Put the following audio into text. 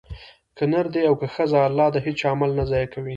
که نر دی او که ښځه؛ الله د هيچا عمل نه ضائع کوي